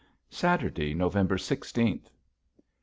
Saturday, November sixteenth.